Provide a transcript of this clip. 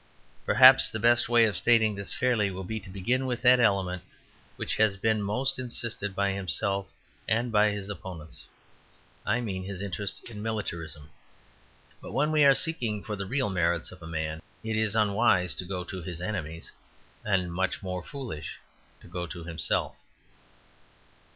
Perhaps the best way of stating this fairly will be to begin with that element which has been most insisted by himself and by his opponents I mean his interest in militarism. But when we are seeking for the real merits of a man it is unwise to go to his enemies, and much more foolish to go to himself.